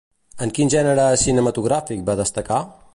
En quin gènere cinematogràfic va destacar?